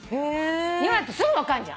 日本だとすぐ分かんじゃん。